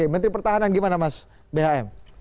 menteri pertahanan gimana mas bhm